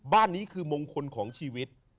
บ้านนี้คือมงคลของชีวิต